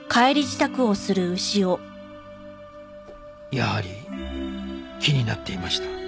やはり気になっていました